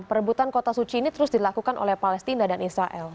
perebutan kota suci ini terus dilakukan oleh palestina dan israel